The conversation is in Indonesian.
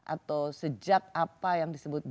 atau sejak apa yang disebut